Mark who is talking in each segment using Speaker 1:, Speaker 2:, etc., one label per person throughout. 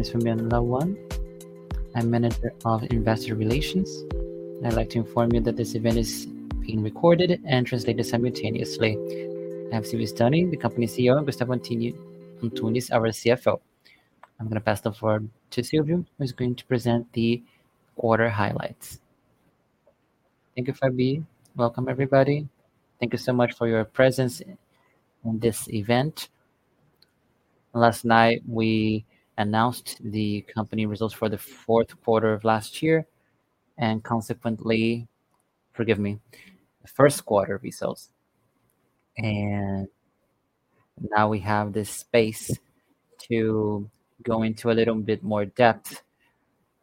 Speaker 1: My name is Fabiana Lawant. I'm Director of Investor Relations, and I'd like to inform you that this event is being recorded and translated simultaneously. I have Silvio Stagni, the company's CEO, and Gustavo Antunes, our CFO. I'm going to pass the floor to Silvio, who's going to present the quarter highlights. Thank you, Fabi. Welcome everybody. Thank you so much for your presence in this event. Last night we announced the company results for the fourth quarter of last year, and consequently first quarter results. Now we have the space to go into a little bit more depth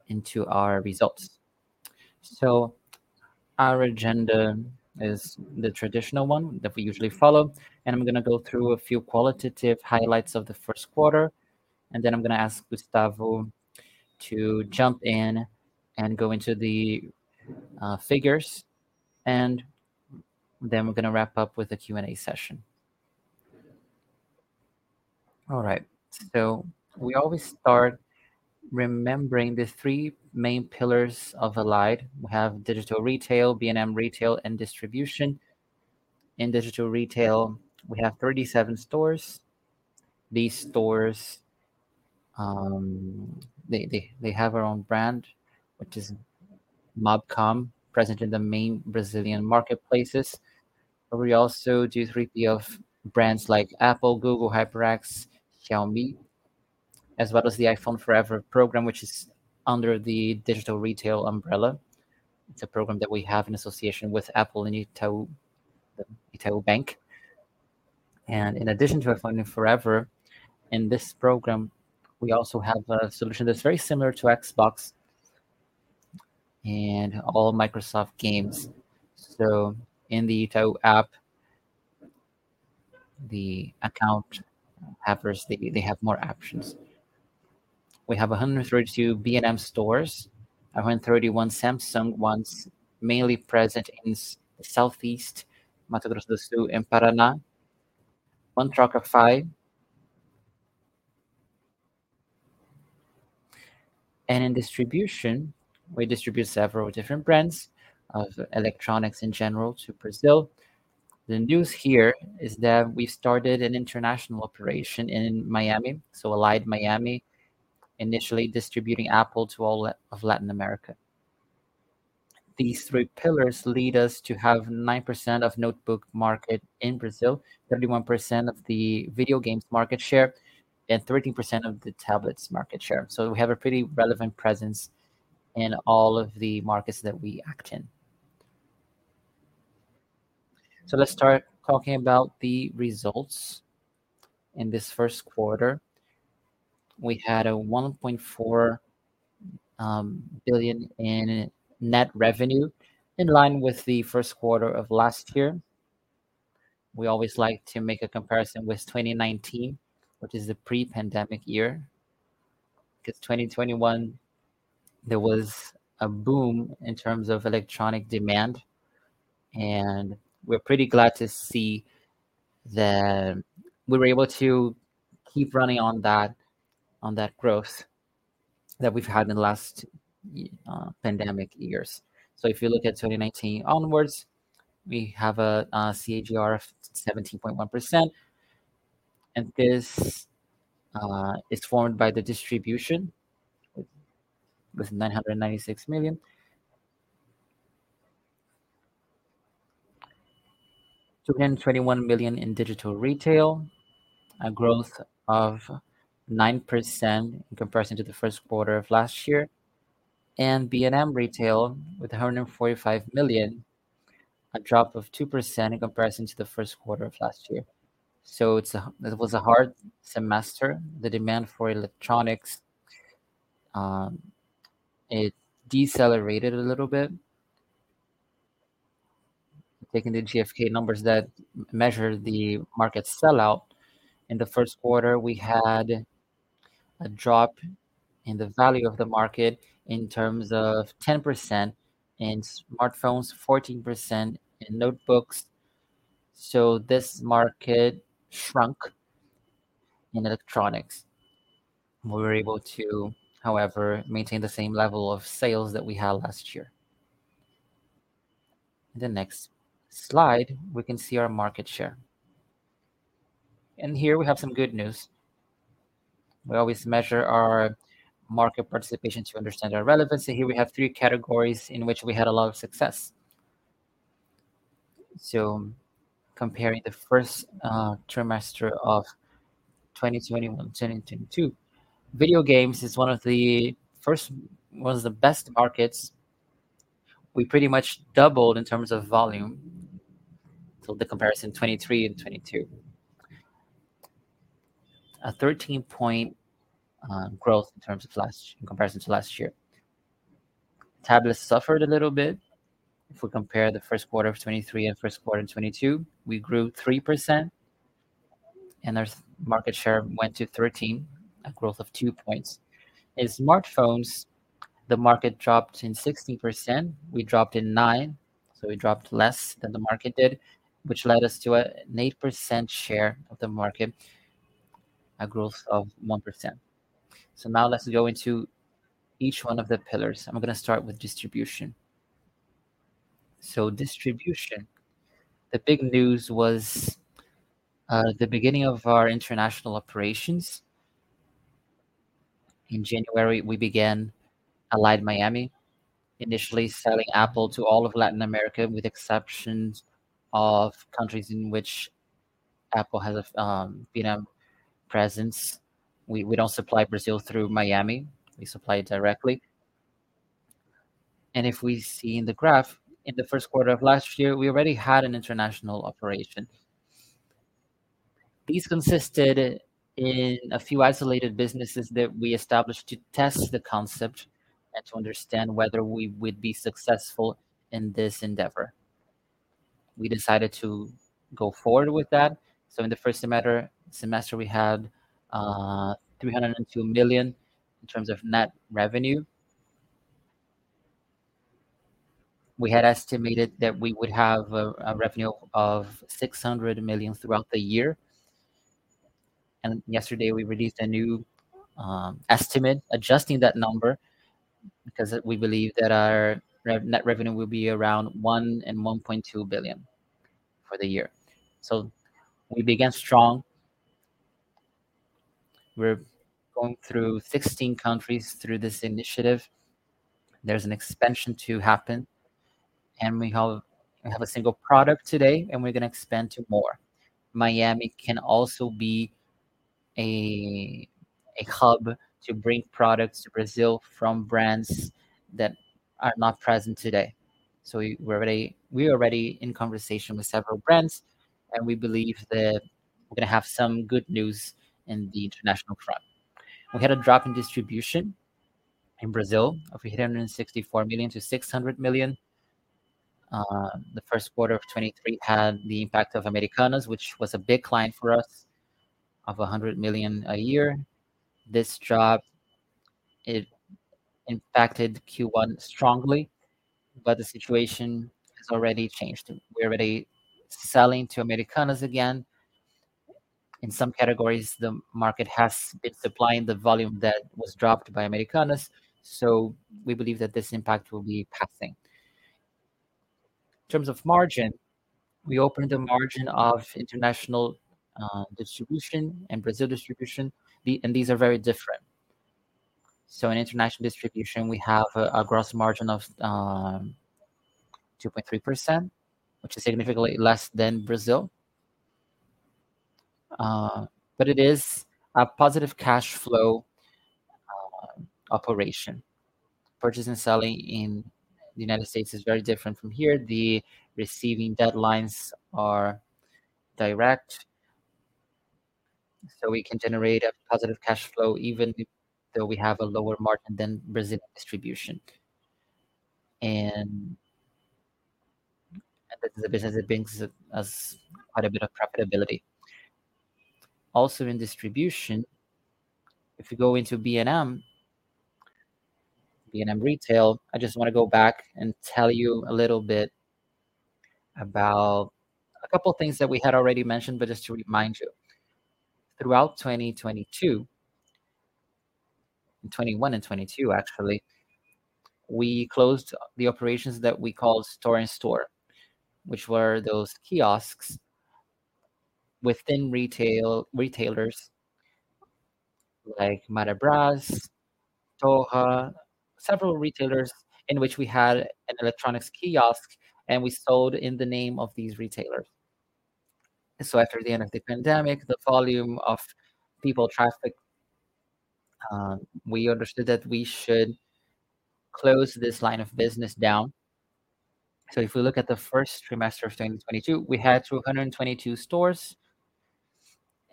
Speaker 1: into our results.
Speaker 2: Our agenda is the traditional one that we usually follow, and I'm going to go through a few qualitative highlights of the first quarter, and then I'm going to ask Gustavo to jump in and go into the figures, and then we're going to wrap up with a Q&A session. All right. We always start remembering the three main pillars of Allied. We have digital retail, B&M retail, and distribution. In digital retail, we have 37 stores. These stores, they have our own brand, which is Mobcom, present in the main Brazilian marketplaces. But we also do 3P of brands like Apple, Google, HyperX, Xiaomi, as well as the iPhone Forever program, which is under the digital retail umbrella. It's a program that we have in association with Apple and Itaú Bank. In addition to iPhone Forever, in this program, we also have a solution that's very similar to Xbox and all Microsoft games. In the Itaú app, the account holders, they have more options. We have 132 B&M stores, 131 Samsung ones, mainly present in southeast Mato Grosso do Sul and Paraná. One Trocafy. And in distribution, we distribute several different brands of electronics in general to Brazil. The news here is that we started an international operation in Miami, so Allied Miami, initially distributing Apple to all of Latin America. These three pillars lead us to have 9% of notebook market in Brazil, 31% of the video games market share, and 13% of the tablets market share. We have a pretty relevant presence in all of the markets that we act in. Let's start talking about the results. In this first quarter, we had 1.4 billion in net revenue, in line with the first quarter of last year. We always like to make a comparison with 2019, which is the pre-pandemic year. Because 2021, there was a boom in terms of electronic demand, and we're pretty glad to see that we were able to keep running on that growth that we've had in the last pandemic years. If you look at 2019 onwards, we have a CAGR of 17.1%, and this is formed by the distribution with 996 million. 221 million in digital retail, a growth of 9% in comparison to the first quarter of last year. And B&M retail with 145 million, a drop of 2% in comparison to the first quarter of last year. It was a hard semester. The demand for electronics, it decelerated a little bit. Taking the GfK numbers that measure the market sell-out, in the first quarter, we had a drop in the value of the market in terms of 10% in smartphones, 14% in notebooks. This market shrunk in electronics. We were able to, however, maintain the same level of sales that we had last year. In the next slide, we can see our market share. Here we have some good news. We always measure our market participation to understand our relevancy. Here we have three categories in which we had a lot of success. Comparing the first trimester of 2021 to 2022, video games is one of the best markets. We pretty much doubled in terms of volume. The comparison, 2023 and 2022. A 13 point growth in comparison to last year. Tablets suffered a little bit. If we compare the first quarter of 2023 and first quarter of 2022, we grew 3%, and our market share went to 13, a growth of two points. In smartphones the market dropped in 16%, we dropped in nine, so we dropped less than the market did, which led us to an 8% share of the market, a growth of 1%. Now let's go into each one of the pillars. I'm going to start with distribution. Distribution. The big news was the beginning of our international operations. In January, we began Allied Miami, initially selling Apple to all of Latin America, with exceptions of countries in which Apple has a B&M presence. We don't supply Brazil through Miami. We supply it directly. If we see in the graph, in the first quarter of last year, we already had an international operation. These consisted in a few isolated businesses that we established to test the concept and to understand whether we would be successful in this endeavor. We decided to go forward with that, in the first semester we had 302 million in terms of net revenue. We had estimated that we would have a revenue of 600 million throughout the year, and yesterday we released a new estimate adjusting that number because we believe that our net revenue will be around 1 billion and 1.2 billion for the year. We began strong. We're going through 16 countries through this initiative. There's an expansion to happen, and we have a single product today and we're going to expand to more. Miami can also be a hub to bring products to Brazil from brands that are not present today. We're already in conversation with several brands, and we believe that we're going to have some good news in the international front. We had a drop in distribution in Brazil of 864 million to 600 million. The first quarter of 2023 had the impact of Americanas, which was a big client for us of 100 million a year. This drop, it impacted Q1 strongly, but the situation has already changed. We're already selling to Americanas again. In some categories, the market has been supplying the volume that was dropped by Americanas, so we believe that this impact will be passing. In terms of margin, we opened a margin of international distribution and Brazil distribution, and these are very different. In international distribution, we have a gross margin of 2.3%, which is significantly less than Brazil. It is a positive cash flow operation. Purchasing and selling in the United States is very different from here. The receiving deadlines are direct, we can generate a positive cash flow even though we have a lower margin than Brazil distribution. This is a business that brings us quite a bit of profitability. Also in distribution, if you go into B&M retail, I just want to go back and tell you a little bit about a couple of things that we had already mentioned, just to remind you. Throughout 2022, in 2021 and 2022, actually, we closed the operations that we call store-in-store, which were those kiosks within retailers like Marabraz, Toha, several retailers in which we had an electronics kiosk, and we sold in the name of these retailers. After the end of the pandemic, the volume of people traffic, we understood that we should close this line of business down. If we look at the first trimester of 2022, we had 222 stores.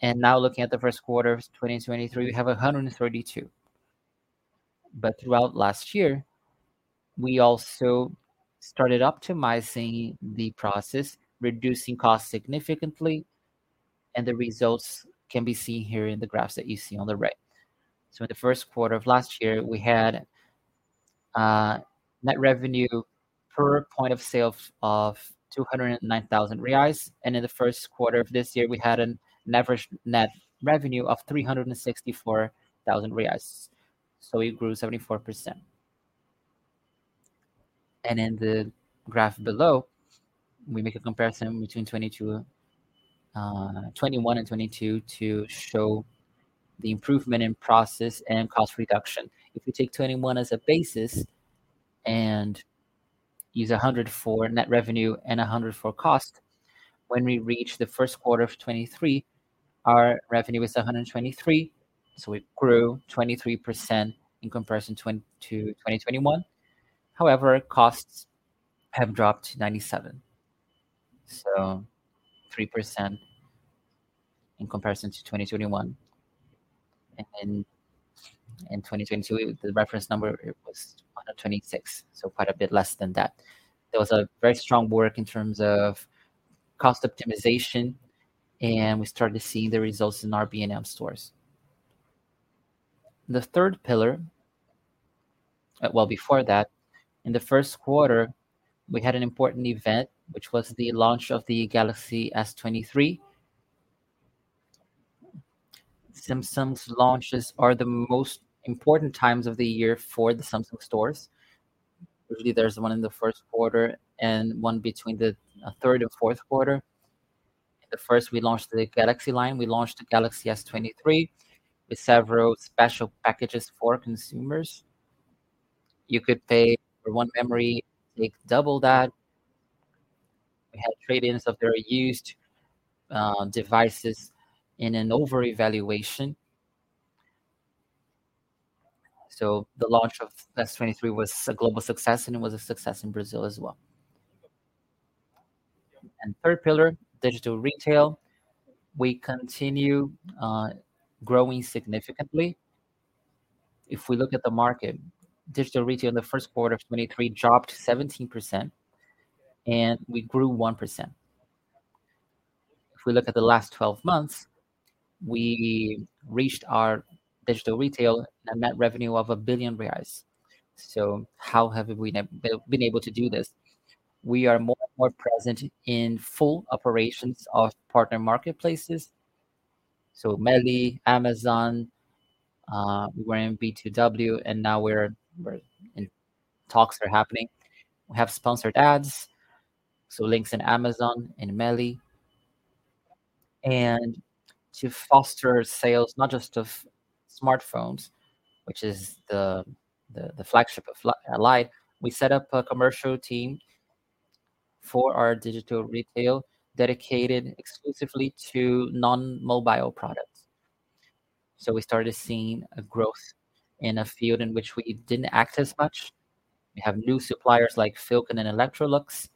Speaker 2: Now looking at the first quarter of 2023, we have 132. Throughout last year, we also started optimizing the process, reducing costs significantly, and the results can be seen here in the graphs that you see on the right. In the first quarter of last year, we had net revenue per point of sale of 209,000 reais, and in the first quarter of this year, we had a net revenue of 364,000 reais. It grew 74%. In the graph below, we make a comparison between 2021 and 2022 to show the improvement in process and cost reduction. If we take 2021 as a basis and use 100 for net revenue and 100 for cost, when we reach the first quarter of 2023, our revenue is 123, it grew 23% in comparison to 2021. However, costs have dropped to 97, 3% in comparison to 2021. In 2022, the reference number was 126, quite a bit less than that. There was a very strong work in terms of cost optimization. We started seeing the results in our B&M stores. The third pillar. Well, before that, in the first quarter, we had an important event, which was the launch of the Galaxy S23. Samsung's launches are the most important times of the year for the Samsung stores. Usually, there's one in the first quarter and one between the third and fourth quarter. In the first, we launched the Galaxy line. We launched the Galaxy S23 with several special packages for consumers. You could pay for one memory, take double that. We had trade-ins of their used devices in an over-evaluation. The launch of S23 was a global success, and it was a success in Brazil as well. Third pillar, digital retail. We continue growing significantly. If we look at the market, digital retail in the first quarter of 2023 dropped 17%, and we grew 1%. If we look at the last 12 months, we reached our digital retail net revenue of 1 billion reais. How have we been able to do this? We are more present in full operations of partner marketplaces. Meli, Amazon, we were in B2W, and now talks are happening. We have sponsored ads, links in Amazon and Meli. To foster sales, not just of smartphones, which is the flagship of Allied Tecnologia S.A., we set up a commercial team for our digital retail dedicated exclusively to non-mobile products. We started seeing a growth in a field in which we did not act as much. We have new suppliers like Philco and Electrolux.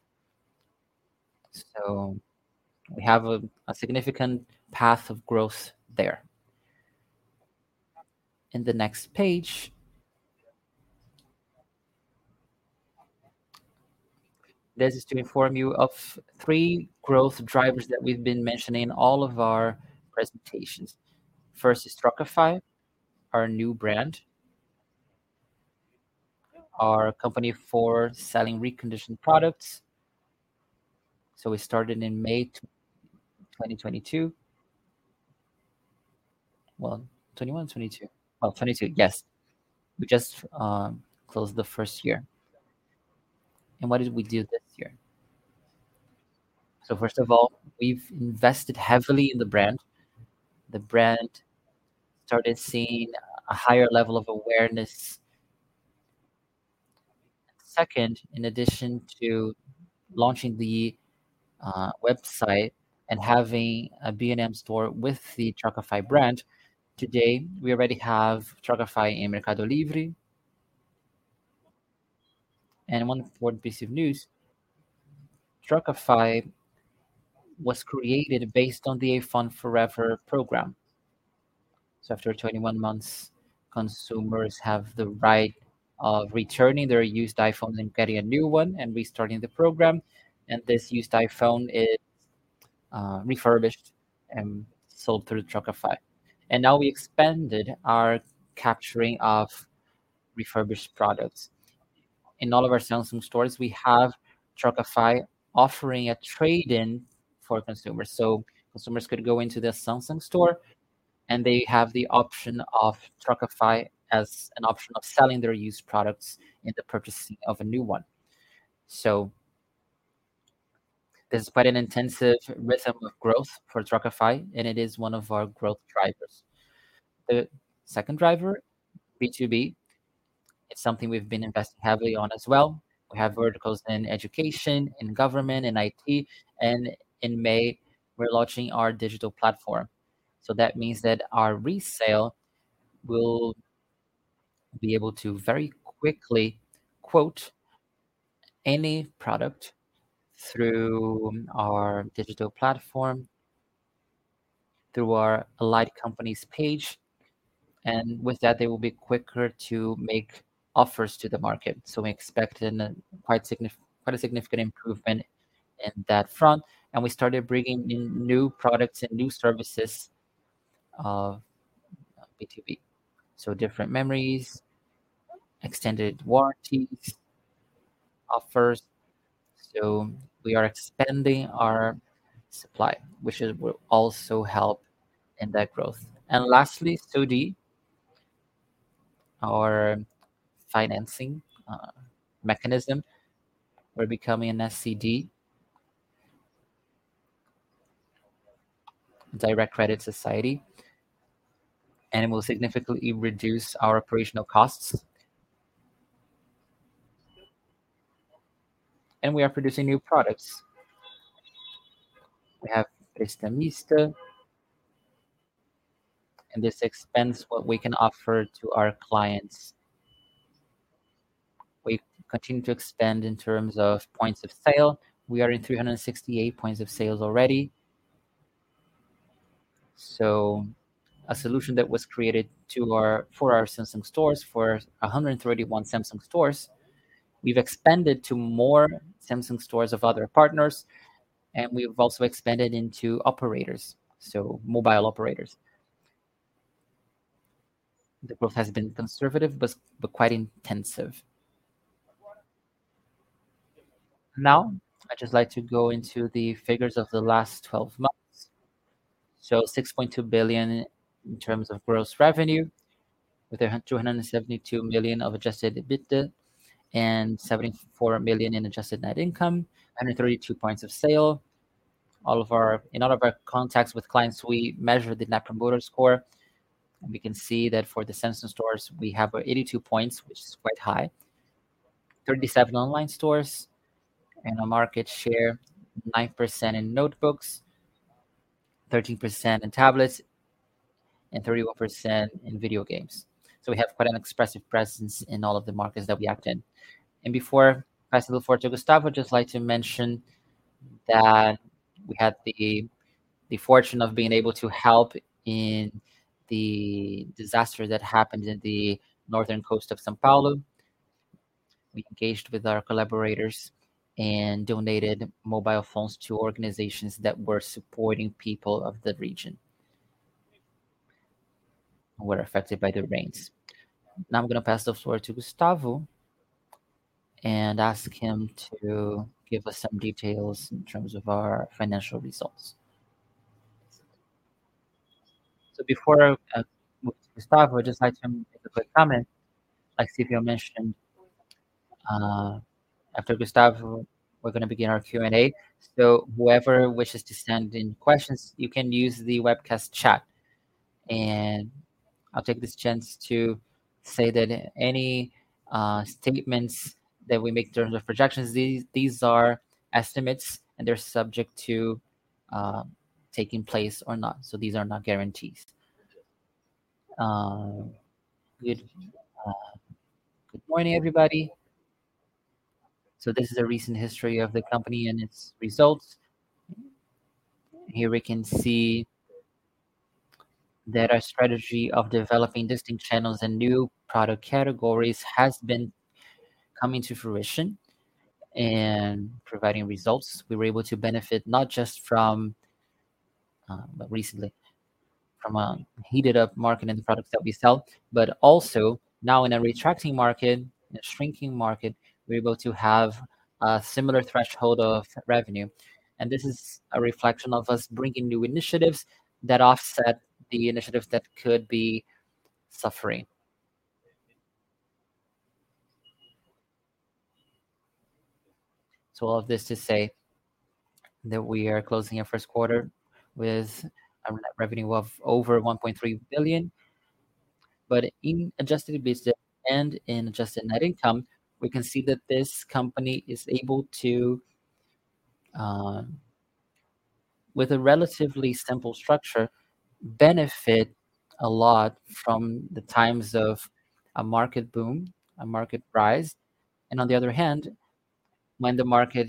Speaker 2: We have a significant path of growth there. In the next page, this is to inform you of three growth drivers that we have been mentioning in all of our presentations. First is Trocafy, our new brand. Our company for selling reconditioned products. We started in May 2022. We just closed the first year. What did we do this year? First of all, we have invested heavily in the brand. The brand started seeing a higher level of awareness. Second, in addition to launching the website and having a B&M store with the Trocafy brand, today, we already have Trocafy in Mercado Livre. One important piece of news, Trocafy was created based on the iPhone pra Sempre program. After 21 months, consumers have the right of returning their used iPhone and getting a new one and restarting the program. This used iPhone is refurbished and sold through Trocafy. Now we expanded our capturing of refurbished products. In all of our Samsung stores, we have Trocafy offering a trade-in for consumers. Consumers could go into the Samsung store, and they have the option of Trocafy as an option of selling their used products in the purchasing of a new one. There is quite an intensive rhythm of growth for Trocafy, and it is one of our growth drivers. The second driver, B2B. It is something we have been investing heavily on as well. We have verticals in education, in government, in IT. In May, we are launching our digital platform. That means that our resale will be able to very quickly quote any product through our digital platform, through our Allied Empresas page. With that, they will be quicker to make offers to the market. We expect quite a significant improvement in that front. We started bringing in new products and new services of B2B. So different memories, extended warranties, offers. We are expanding our supply, which will also help in that growth. Lastly, SCD, our financing mechanism. We are becoming an SCD, Sociedade de Crédito Direto. It will significantly reduce our operational costs. We are producing new products. We have Crédito Misto, and this expands what we can offer to our clients. We continue to expand in terms of points of sale. We are in 368 points of sale already. A solution that was created for our Samsung stores, for 131 Samsung stores, we have expanded to more Samsung stores of other partners, and we have also expanded into mobile operators. The growth has been conservative, but quite intensive. Now, I would just like to go into the figures of the last 12 months. 6.2 billion in terms of gross revenue, with 272 million of adjusted EBITDA and 74 million in adjusted net income, 132 points of sale. In all of our contacts with clients, we measure the Net Promoter Score, and we can see that for the Samsung stores, we have our 82 points, which is quite high. 37 online stores and a market share, 9% in notebooks, 13% in tablets, and 31% in video games. We have quite an expressive presence in all of the markets that we act in. Before I pass the floor to Gustavo, I'd just like to mention that we had the fortune of being able to help in the disaster that happened in the northern coast of São Paulo. We engaged with our collaborators and donated mobile phones to organizations that were supporting people of the region who were affected by the rains. Now I'm going to pass the floor to Gustavo and ask him to give us some details in terms of our financial results. Before I pass to Gustavo, I'd just like to make a quick comment. Like Silvio mentioned, after Gustavo, we're going to begin our Q&A. Whoever wishes to send in questions, you can use the webcast chat.
Speaker 3: I'll take this chance to say that any statements that we make in terms of projections, these are estimates, and they're subject to taking place or not. These are not guarantees. Good morning, everybody. This is a recent history of the company and its results. Here we can see that our strategy of developing distinct channels and new product categories has been coming to fruition and providing results. We were able to benefit not just from recently, from a heated-up market and the products that we sell, but also now in a retracting market, in a shrinking market, we're able to have a similar threshold of revenue. This is a reflection of us bringing new initiatives that offset the initiatives that could be suffering. All of this to say that we are closing our first quarter with a net revenue of over 1.3 billion. In adjusted EBITDA and in adjusted net income, we can see that this company is able to, with a relatively simple structure, benefit a lot from the times of a market boom, a market rise. On the other hand, when the market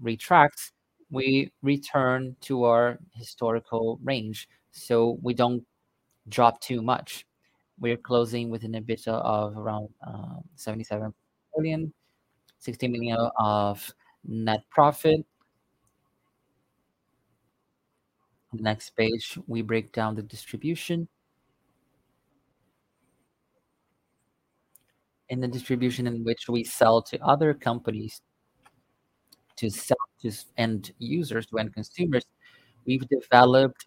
Speaker 3: retracts, we return to our historical range, so we don't drop too much. We're closing with an EBITDA of around 77 million, 16 million of net profit. On the next page, we break down the distribution. In the distribution in which we sell to other companies, to end users, to end consumers, we've developed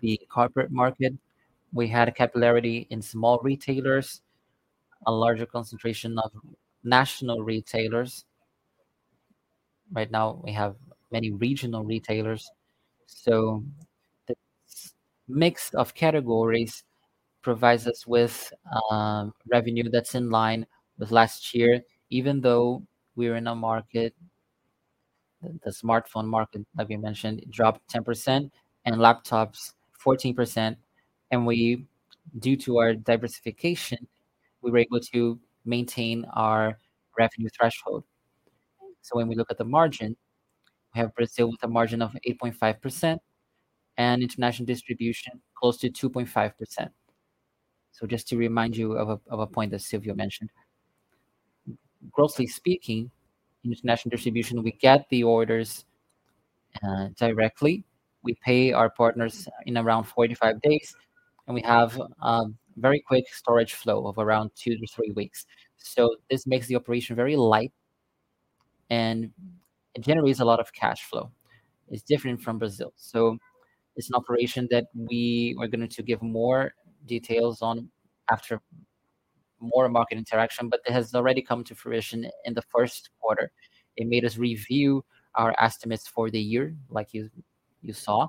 Speaker 3: the corporate market. We had a capillarity in small retailers, a larger concentration of national retailers. Right now, we have many regional retailers. This mix of categories provides us with revenue that's in line with last year. Even though we're in a market, the smartphone market that we mentioned, it dropped 10%, and laptops 14%. Due to our diversification, we were able to maintain our revenue threshold. When we look at the margin, we have Brazil with a margin of 8.5% and international distribution close to 2.5%. Just to remind you of a point that Silvio mentioned. Grossly speaking, international distribution, we get the orders directly. We pay our partners in around 4 to 5 days, and we have a very quick storage flow of around 2 to 3 weeks. This makes the operation very light, and it generates a lot of cash flow. It's different from Brazil. It's an operation that we are going to give more details on after more market interaction, but it has already come to fruition in the first quarter. It made us review our estimates for the year, like you saw.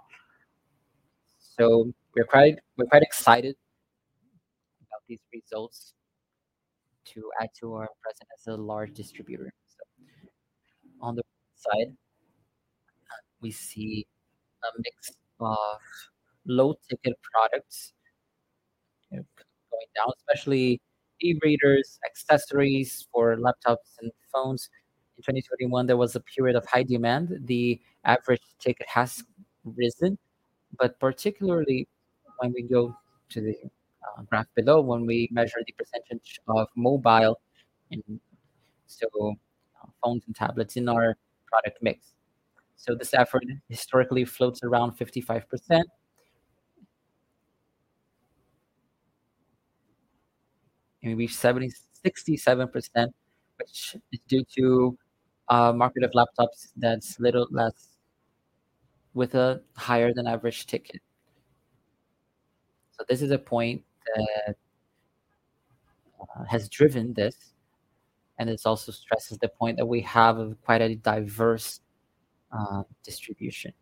Speaker 3: We're quite excited about these results to add to our presence as a large distributor. On the side, we see a mix of low-ticket products going down, especially e-readers, accessories for laptops and phones. In 2021, there was a period of high demand. The average ticket has risen, but particularly when we go to the graph below, when we measure the percentage of mobile, and so phones and tablets in our product mix. This effort historically floats around 55%. We've 67%, which is due to a market of laptops that's little less with a higher than average ticket. This is a point that has driven this, and it also stresses the point that we have quite a diverse distribution.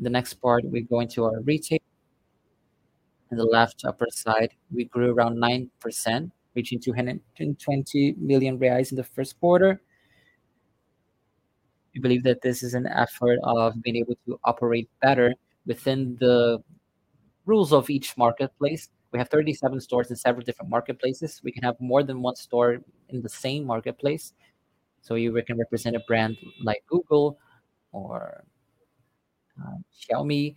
Speaker 3: The next part, we go into our retail. In the left upper side, we grew around 9%, reaching 220 million reais in the first quarter. We believe that this is an effort of being able to operate better within the rules of each marketplace. We have 37 stores in several different marketplaces. We can have more than one store in the same marketplace, so we can represent a brand like Google or Xiaomi,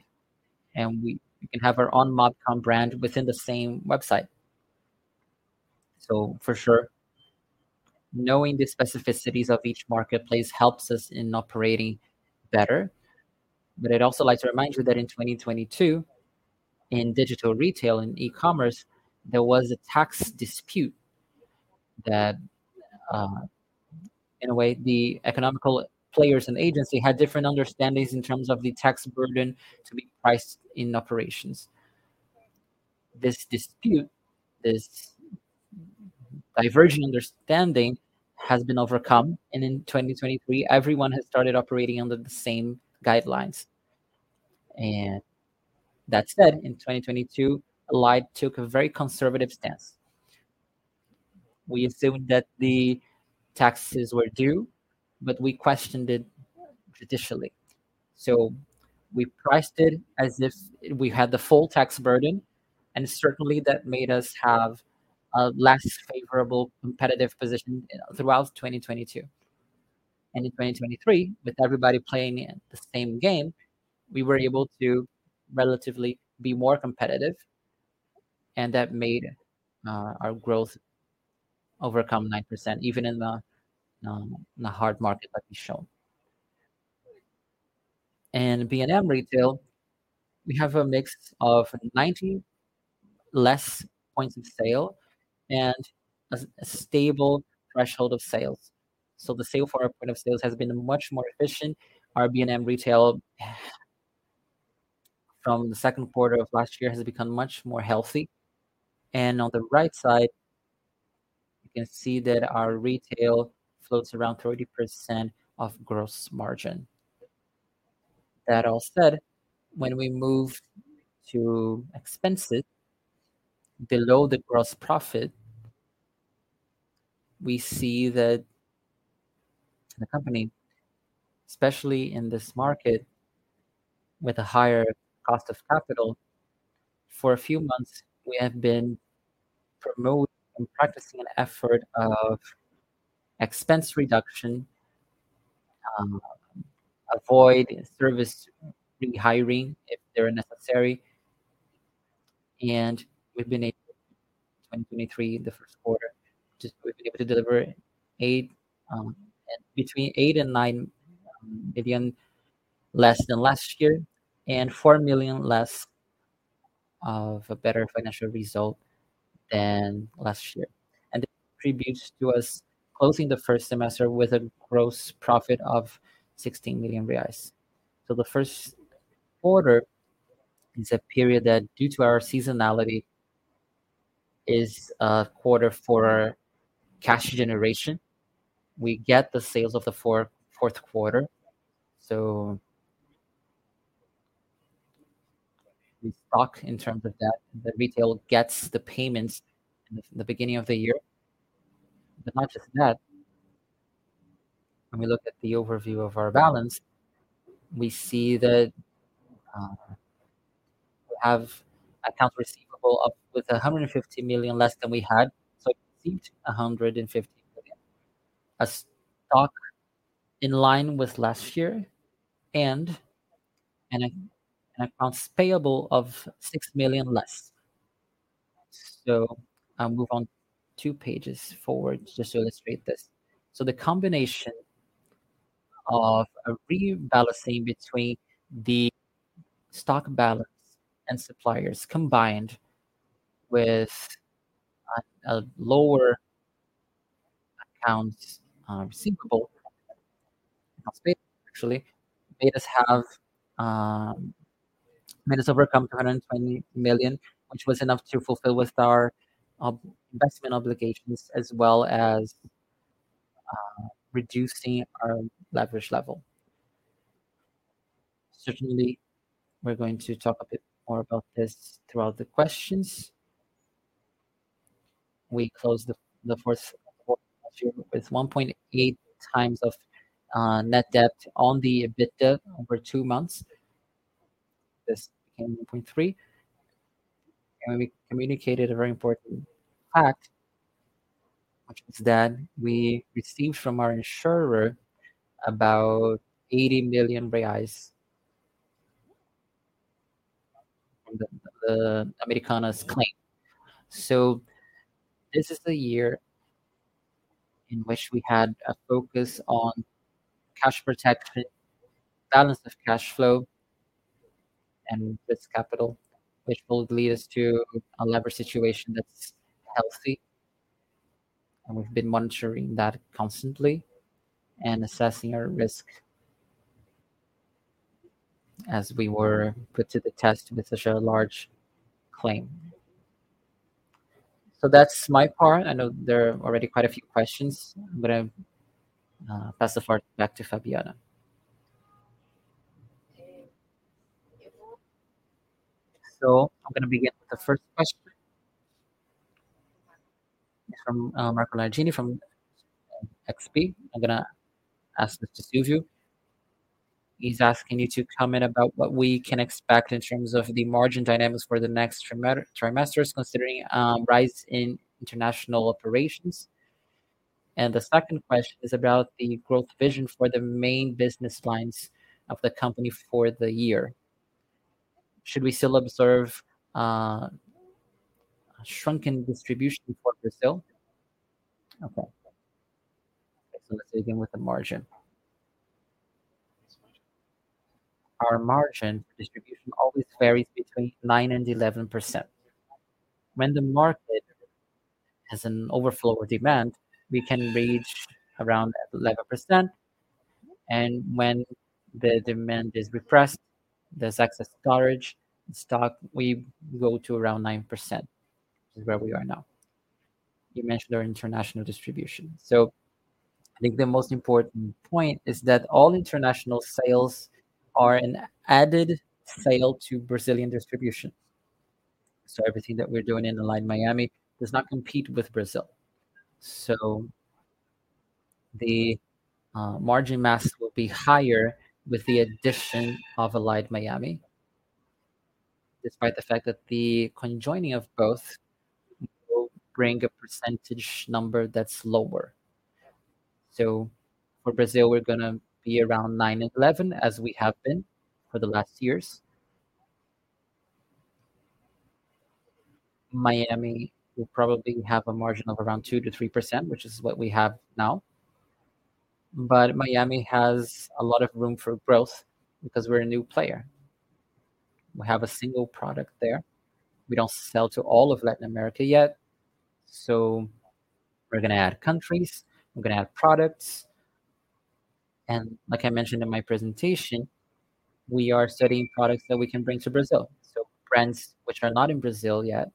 Speaker 3: and we can have our own Mobcom brand within the same website. For sure, knowing the specificities of each marketplace helps us in operating better. I'd also like to remind you that in 2022, in digital retail and e-commerce, there was a tax dispute that, in a way, the economic players and agency had different understandings in terms of the tax burden to be priced in operations. This dispute, this divergent understanding, has been overcome, in 2023, everyone has started operating under the same guidelines. That said, in 2022, Allied took a very conservative stance. We assumed that the taxes were due, but we questioned it judicially. We priced it as if we had the full tax burden, certainly that made us have a less favorable competitive position throughout 2022. In 2023, with everybody playing the same game, we were able to relatively be more competitive, and that made our growth overcome 9%, even in the hard market that we shown. In B&M retail, we have a mix of 90 less points of sale and a stable threshold of sales. The sale for our point of sales has been much more efficient. Our B&M retail, from the second quarter of last year, has become much more healthy. On the right side, you can see that our retail floats around 30% of gross margin. That all said, when we move to expenses below the gross profit, we see that the company, especially in this market with a higher cost of capital, for a few months, we have been promoting and practicing an effort of expense reduction, avoid service rehiring if they are necessary, we've been able, in 2023, the first quarter, to deliver between 8 million and 9 million less than last year, 4 million less of a better financial result than last year. It contributes to us closing the first semester with a gross profit of 16 million reais. The first quarter is a period that, due to our seasonality, is a quarter for cash generation. We get the sales of the fourth quarter. We stock in terms of that. The retail gets the payments in the beginning of the year. Not just that, when we look at the overview of our balance, we see that we have accounts receivable up with 150 million less than we had. It received 150 million. A stock in line with last year, and an accounts payable of 6 million less. I'll move on two pages forward just to illustrate this. The combination of a rebalancing between the stock balance and suppliers, combined with a lower accounts receivable, actually made us overcome 120 million, which was enough to fulfill with our investment obligations as well as reducing our leverage level. Certainly, we're going to talk a bit more about this throughout the questions. We closed the fourth quarter last year with 1.8x of net debt on the EBITDA over 2 months. This became 1.3x. We communicated a very important fact, which is that we received from our insurer about 80 million reais from the Americanas claim. This is the year in which we had a focus on cash protection, balance of cash flow, and risk capital, which will lead us to a lever situation that's healthy. We've been monitoring that constantly and assessing our risk as we were put to the test with such a large claim. That's my part. I know there are already quite a few questions, I pass the floor back to Fabiana.
Speaker 4: Okay.
Speaker 1: I'm going to begin with the first question. It's from Marco Nardini from XP. I'm going to ask this to Silvio. He's asking you to comment about what we can expect in terms of the margin dynamics for the next trimesters, considering a rise in international operations. The second question is about the growth vision for the main business lines of the company for the year. Should we still observe a shrunken distribution for Brazil? Okay. Let's begin with the margin. Our margin distribution always varies between 9%-11%. When the market has an overflow of demand, we can reach around that 11%. When the demand is repressed, there's excess storage and stock, we go to around 9%, which is where we are now. You mentioned our international distribution.
Speaker 2: I think the most important point is that all international sales are an added sale to Brazilian distribution. Everything that we're doing in Allied Miami does not compete with Brazil. The margin mass will be higher with the addition of Allied Miami, despite the fact that the conjoining of both will bring a percentage number that's lower. For Brazil, we're going to be around 9%-11%, as we have been for the last years. Miami will probably have a margin of around 2%-3%, which is what we have now. Miami has a lot of room for growth because we're a new player. We have a single product there. We don't sell to all of Latin America yet, so we're going to add countries, we're going to add products. Like I mentioned in my presentation, we are studying products that we can bring to Brazil. Brands which are not in Brazil yet.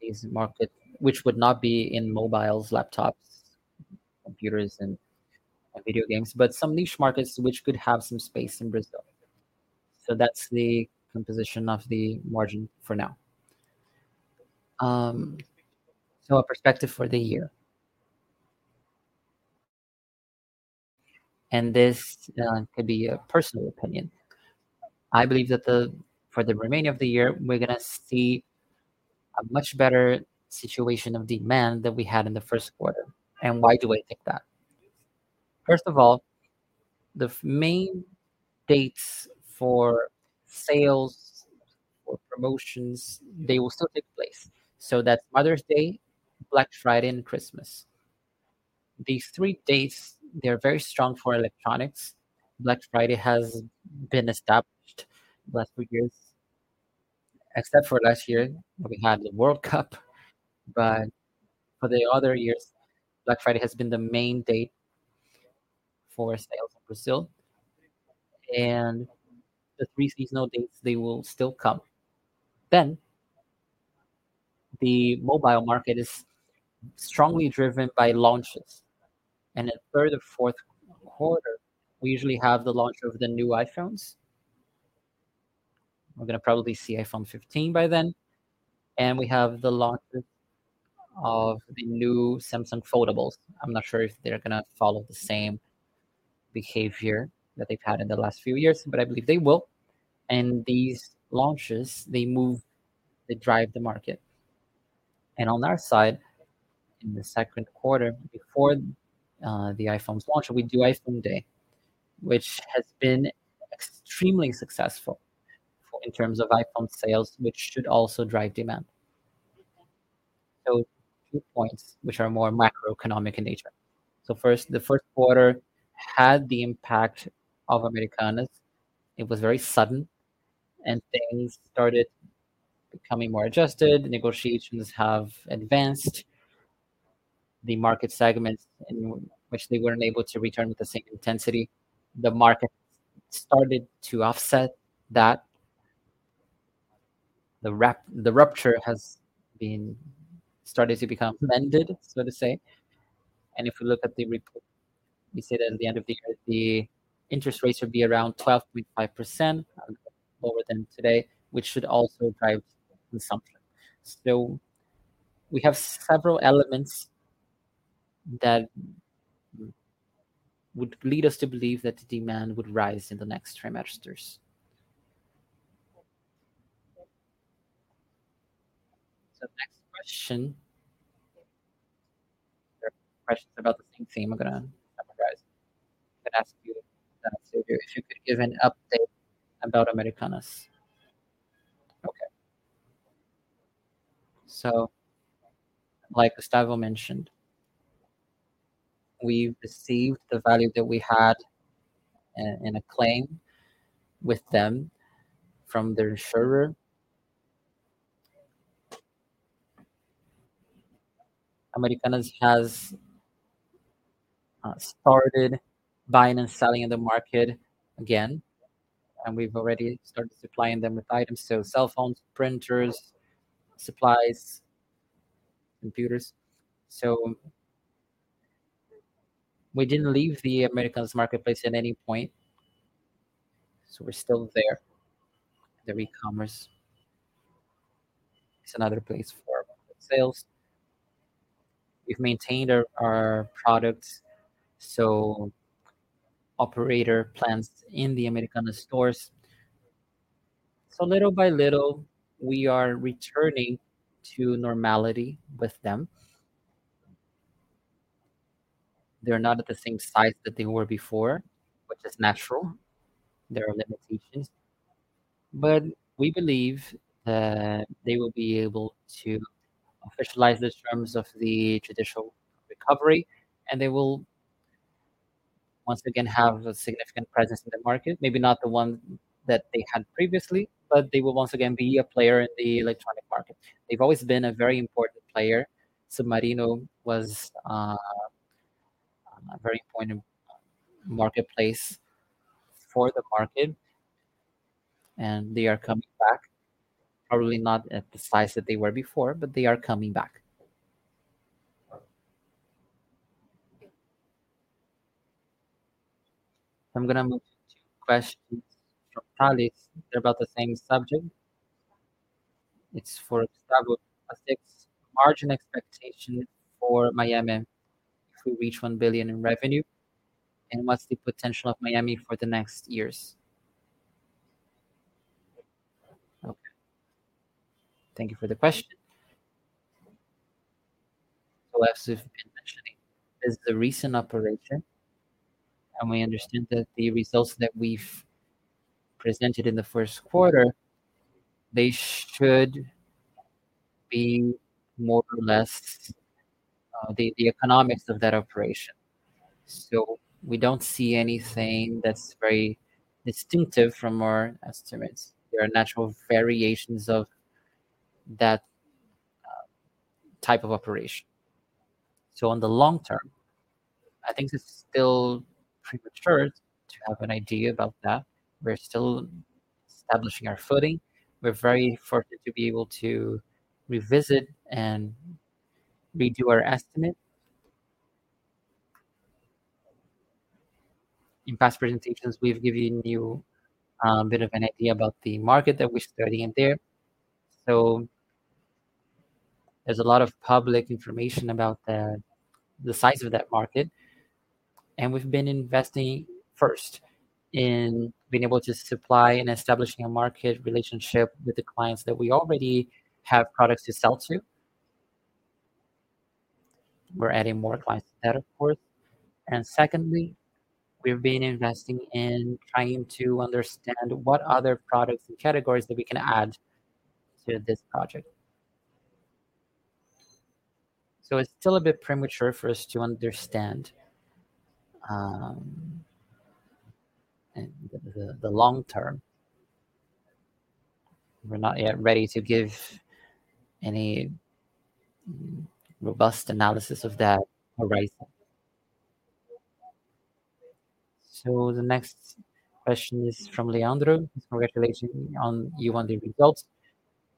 Speaker 2: These markets which would not be in mobiles, laptops, computers, and video games, but some niche markets which could have some space in Brazil. That's the composition of the margin for now. A perspective for the year. This could be a personal opinion. I believe that for the remaining of the year, we're going to see a much better situation of demand than we had in the first quarter. Why do I think that? First of all, the main dates for sales, for promotions, they will still take place. That's Mother's Day, Black Friday, and Christmas. These three dates, they're very strong for electronics. Black Friday has been established the last few years, except for last year when we had the World Cup. For the other years, Black Friday has been the main date for sales in Brazil. The three seasonal dates, they will still come. The mobile market is strongly driven by launches. At third or fourth quarter, we usually have the launch of the new iPhones. We're going to probably see iPhone 15 by then. We have the launches of the new Samsung foldables. I'm not sure if they're going to follow the same behavior that they've had in the last few years, but I believe they will. These launches, they drive the market. On our side, in the second quarter, before the iPhone's launch, we do iPhone Day, which has been extremely successful in terms of iPhone sales, which should also drive demand. Two points which are more macroeconomic in nature. First, the first quarter had the impact of Americanas. It was very sudden and things started becoming more adjusted. Negotiations have advanced. The market segments in which they weren't able to return with the same intensity, the market started to offset that. The rupture has started to become mended, so to say. If you look at the report, we say that at the end of the year, the interest rates will be around 12.5%, lower than today, which should also drive consumption. We have several elements that would lead us to believe that demand would rise in the next three registers. Next question. There are questions about the same theme. I'm going to summarize and ask you, Silvio, if you could give an update about Americanas. Okay. Like Gustavo mentioned, we've received the value that we had in a claim with them from their insurer. Americanas has started buying and selling in the market again, and we've already started supplying them with items, so cell phones, printers, supplies, computers. We didn't leave the Americanas marketplace at any point. We're still there. The e-commerce is another place for market sales. We've maintained our products, so operator plans in the Americanas stores. Little by little, we are returning to normality with them. They're not at the same size that they were before, which is natural. There are limitations. We believe that they will be able to officialize the terms of the traditional recovery, and they will once again have a significant presence in the market, maybe not the one that they had previously, but they will once again be a player in the electronic market. They have always been a very important player. Submarino was a very important marketplace for the market, and they are coming back, probably not at the size that they were before, but they are coming back. I am going to move to questions from Thales. They are about the same subject. It is for Gustavo. What is the margin expectation for Miami if we reach 1 billion in revenue? And what is the potential of Miami for the next years? Okay. Thank you for the question.
Speaker 3: As we have been mentioning, it is the recent operation, and we understand that the results that we have presented in the first quarter, they should be more or less the economics of that operation. We do not see anything that is very distinctive from our estimates. There are natural variations of that type of operation. On the long term, I think it is still premature to have an idea about that. We are still establishing our footing. We are very fortunate to be able to revisit and redo our estimate. In past presentations, we have given you a bit of an idea about the market that we are starting in there. There is a lot of public information about the size of that market. We have been investing first in being able to supply and establishing a market relationship with the clients that we already have products to sell to. We are adding more clients to that, of course. Secondly, we have been investing in trying to understand what other products and categories that we can add to this project. It is still a bit premature for us to understand the long term. We are not yet ready to give any robust analysis of that horizon. The next question is from Leandro. He is congratulating on U1D results.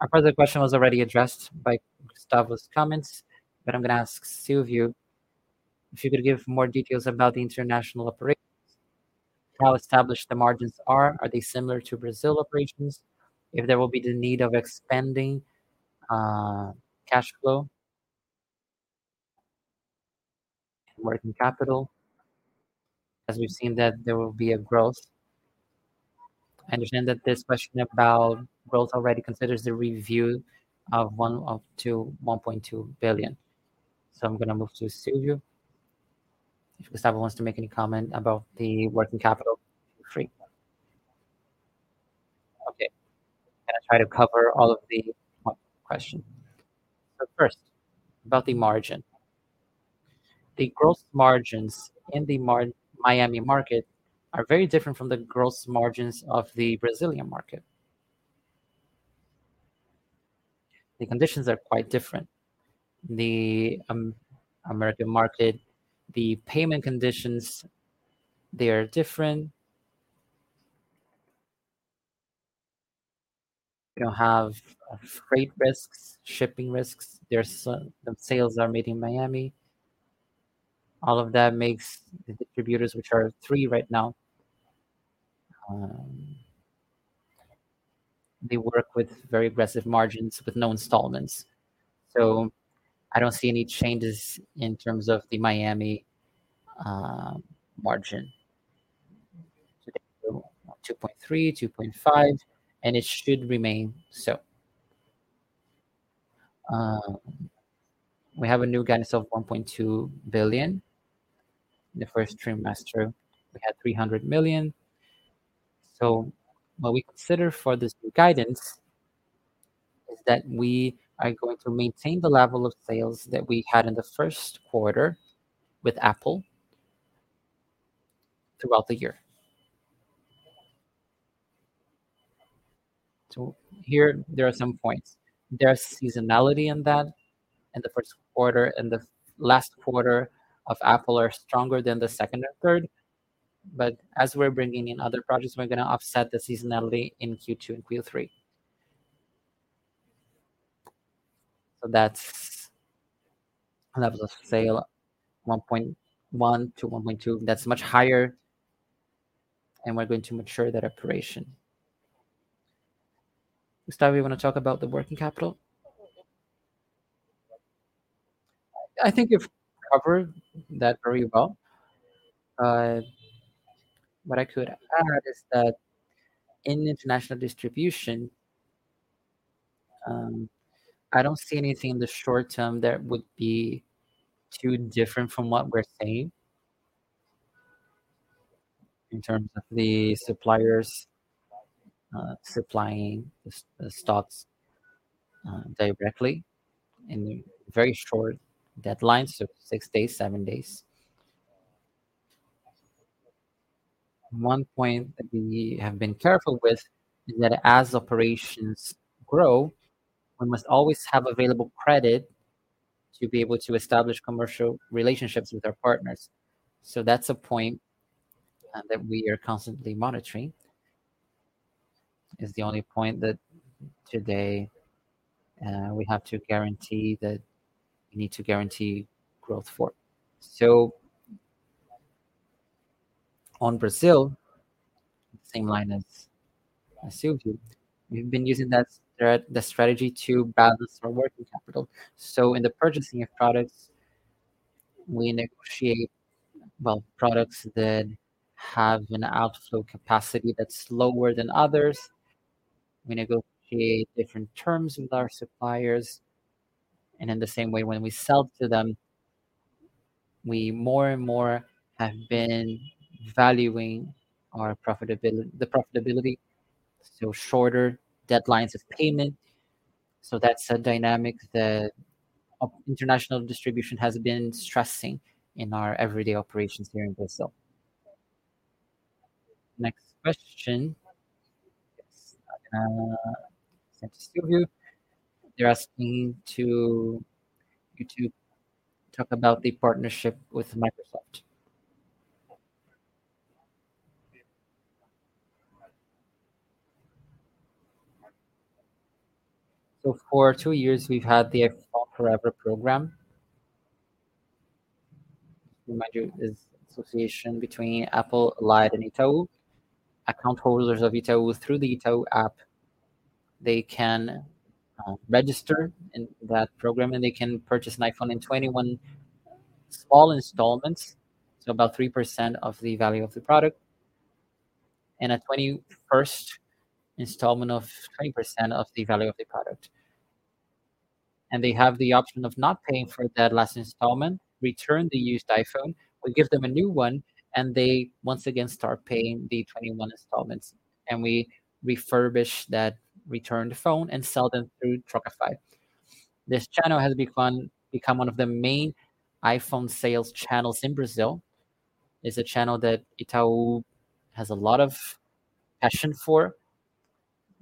Speaker 3: A part of the question was already addressed by Gustavo’s comments, but I am going to ask Silvio if he could give more details about the international operations, how established the margins are they similar to Brazil operations, if there will be the need of expanding cash flow and working capital, as we have seen that there will be a growth. I understand that this question about growth already considers the review of 1.2 billion. I am going to move to Silvio.
Speaker 2: If Gustavo wants to make any comment about the working capital, feel free. Okay. I am going to try to cover all of the question. First, about the margin. The growth margins in the Miami market are very different from the growth margins of the Brazilian market. The conditions are quite different. The American market, the payment conditions, they are different. You do not have freight risks, shipping risks. The sales are made in Miami. All of that makes the distributors, which are three right now, they work with very aggressive margins with no installments. I do not see any changes in terms of the Miami margin. Today, we are 2.3%, 2.5%, and it should remain so. We have a new guidance of 1.2 billion. In the first trimester, we had 300 million. What we consider for this new guidance is that we are going to maintain the level of sales that we had in the first quarter with Apple throughout the year. Here, there are some points. There is seasonality in that, and the first quarter and the last quarter of Apple are stronger than the second or third. As we are bringing in other projects, we are going to offset the seasonality in Q2 and Q3. That is levels of sale 1.1 to 1.2. That is much higher, and we are going to mature that operation. Gustavo, you want to talk about the working capital? I think you have covered that very well.
Speaker 3: What I could add is that in international distribution, I don't see anything in the short term that would be too different from what we are saying in terms of the suppliers supplying the stocks directly in very short deadlines, so six days, seven days. One point that we have been careful with is that as operations grow, we must always have available credit to be able to establish commercial relationships with our partners. That is a point that we are constantly monitoring, is the only point that today we have to guarantee that we need to guarantee growth for. On Brazil, same line as Silvio. We have been using the strategy to balance our working capital. In the purchasing of products, we negotiate products that have an outflow capacity that is lower than others. We negotiate different terms with our suppliers. In the same way, when we sell to them, we more and more have been valuing the profitability, shorter deadlines of payment. That is a dynamic that international distribution has been stressing in our everyday operations here in Brazil. Next question. Yes. I am going to send to Silvio. They are asking you to talk about the partnership with Microsoft. For two years, we have had the iPhone Forever program. Remind you, it is association between Apple, Allied, and Itaú. Account holders of Itaú, through the Itaú app, they can register in that program, and they can purchase an iPhone in 21 small installments, about 3% of the value of the product. And a 21st installment of 20% of the value of the product.
Speaker 2: They have the option of not paying for that last installment, return the used iPhone, we give them a new one, and they once again start paying the 21 installments, and we refurbish that returned phone and sell them through Trocafy. This channel has become one of the main iPhone sales channels in Brazil. It is a channel that Itaú has a lot of passion for.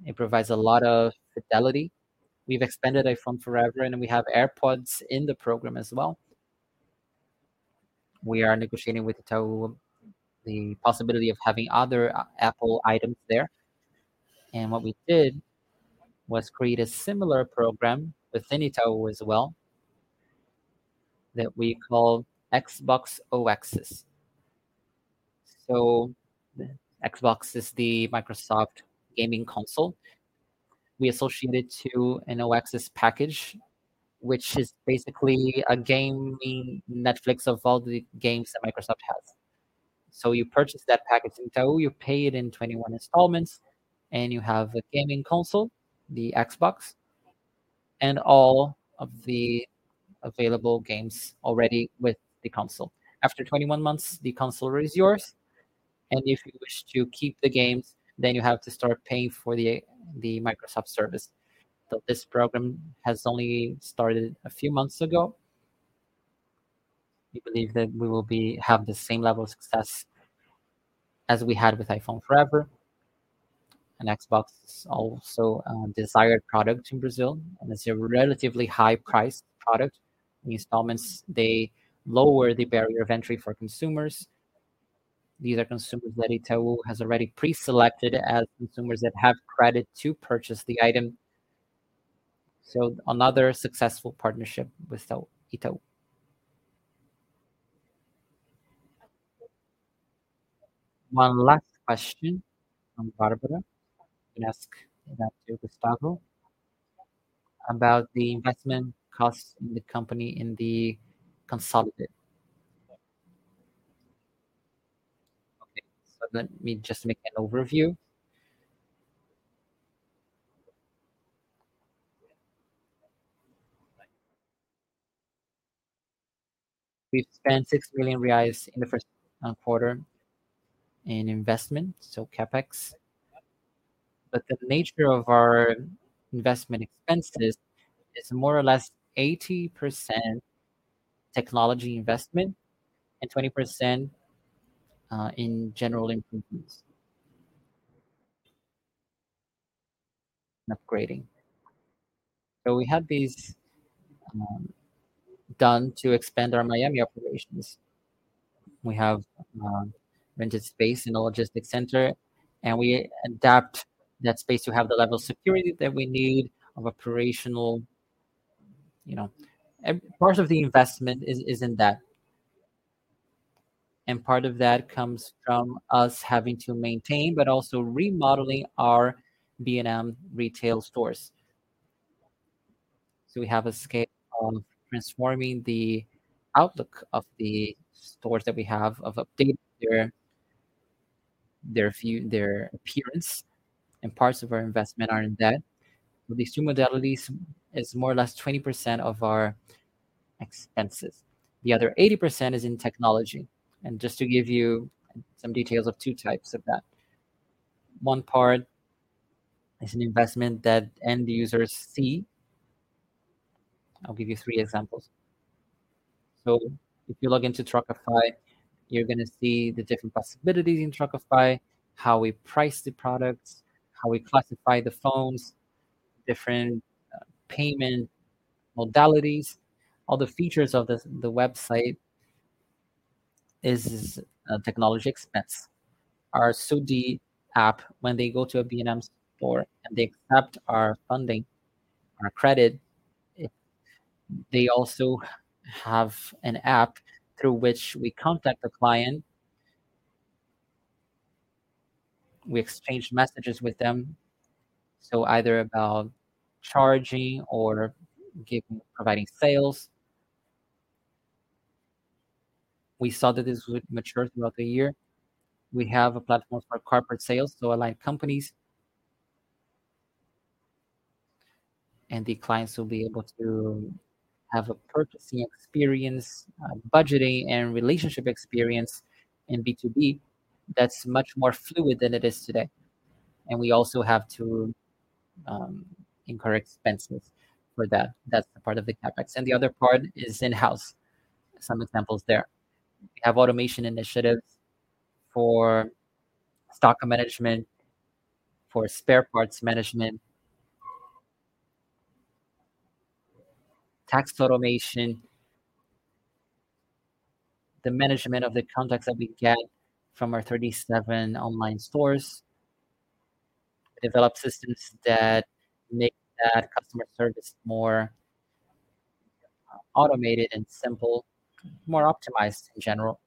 Speaker 2: It provides a lot of fidelity. We have expanded iPhone Forever, and we have AirPods in the program as well. We are negotiating with Itaú the possibility of having other Apple items there. What we did was create a similar program within Itaú as well that we call Xbox All Access. Xbox is the Microsoft gaming console. We associate it to an All Access package, which is basically a gaming Netflix of all the games that Microsoft has. You purchase that package in Itaú, you pay it in 21 installments, and you have a gaming console, the Xbox, and all of the available games already with the console. After 21 months, the console is yours, and if you wish to keep the games, then you have to start paying for the Microsoft service. This program has only started a few months ago. We believe that we will have the same level of success as we had with iPhone pra Sempre. Xbox is also a desired product in Brazil, and it's a relatively high priced product. The installments, they lower the barrier of entry for consumers. These are consumers that Itaú has already pre-selected as consumers that have credit to purchase the item. Another successful partnership with Itaú. One last question from Barbara.
Speaker 3: You can ask that to Gustavo about the investment costs in the company in the consolidated. Let me just make an overview. We've spent 6 million reais in the first quarter in investment, so CapEx. The nature of our investment expenses is more or less 80% technology investment and 20% in general improvements and upgrading. We had these done to expand our Allied Miami operations. We have rented space in a logistic center, and we adapt that space to have the level of security that we need, of operational. Part of the investment is in that. Part of that comes from us having to maintain but also remodeling our B&M retail stores. We have a scale of transforming the outlook of the stores that we have, of updating their appearance, and parts of our investment are in that. These two modalities is more or less 20% of our expenses. The other 80% is in technology. Just to give you some details of two types of that. One part is an investment that end users see. I'll give you three examples. If you log into Trocafy, you're going to see the different possibilities in Trocafy, how we price the products, how we classify the phones, different payment modalities, all the features of the website is a technology expense. Our Soudi app, when they go to a B&M store and they accept our funding, our credit, they also have an app through which we contact the client. We exchange messages with them, either about charging or providing sales. We saw that this would mature throughout the year. We have a platform for corporate sales, Allied Empresas. The clients will be able to have a purchasing experience, budgeting, and relationship experience in B2B that's much more fluid than it is today. We also have to incur expenses for that. That's the part of the CapEx. The other part is in-house. Some examples there. We have automation initiatives for stock management, for spare parts management, tax automation, the management of the contacts that we get from our 37 online stores, develop systems that make that customer service more automated and simple, more optimized in general.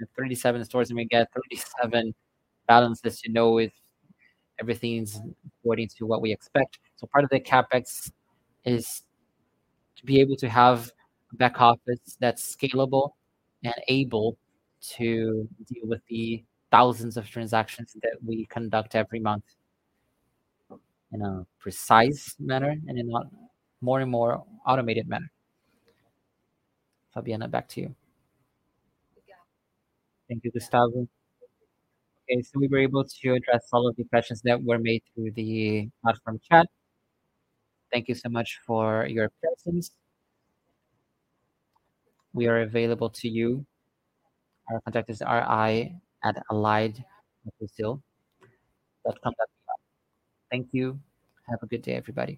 Speaker 3: In 37 stores, we get 37 balances to know if everything's according to what we expect. Part of the CapEx is to be able to have a back office that's scalable and able to deal with the thousands of transactions that we conduct every month in a precise manner and in a more and more automated manner.
Speaker 1: Fabiana, back to you. Thank you, Gustavo. Okay, we were able to address all of the questions that were made through the platform chat. Thank you so much for your presence. We are available to you. Our contact is ri@alliedbrasil.com.br. Thank you. Have a good day, everybody.